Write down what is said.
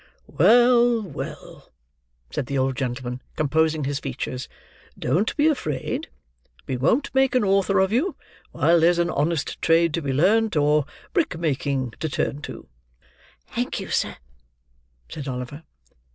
"Well, well," said the old gentleman, composing his features. "Don't be afraid! We won't make an author of you, while there's an honest trade to be learnt, or brick making to turn to." "Thank you, sir," said Oliver.